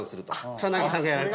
草薙さんがやられた。